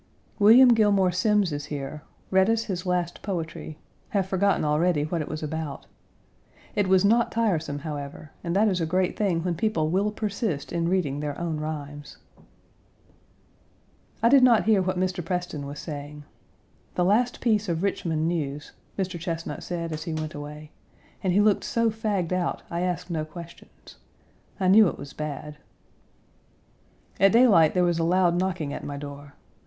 William Gilmore Simms is here; read us his last poetry; have forgotten already what it was about. It was not tiresome, however, and that is a great thing when people will persist in reading their own rhymes. I did not hear what Mr. Preston was saying. "The last piece of Richmond news," Mr. Chesnut said as he went away, and he looked so fagged out I asked no questions. I knew it was bad. At daylight there was a loud knocking at my door.